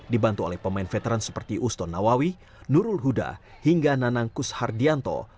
tergantung oleh pemain veteran seperti uston nawawi nurul huda hingga nanangkus hardianto